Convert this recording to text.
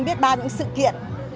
biết ba những sự kiện